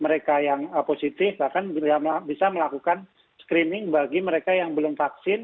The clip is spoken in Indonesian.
mereka yang positif bahkan bisa melakukan screening bagi mereka yang belum vaksin